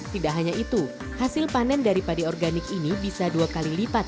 tidak hanya itu hasil panen dari padi organik ini bisa dua kali lipat